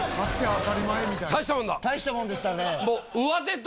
大したもんでしたね。